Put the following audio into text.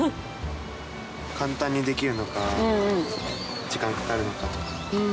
簡単にできるのか時間かかるのか。